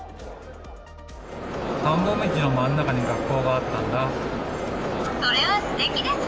田んぼ道のまん中に学校があったんだ。